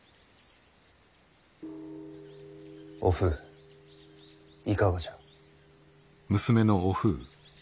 おふういかがじゃ？